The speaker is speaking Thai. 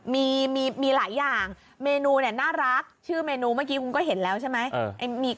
มีหลายอย่างเมนูเนี่ยน่ารักชื่อเมนูเมื่อกี้คุณก็เห็นแล้วใช่ไหม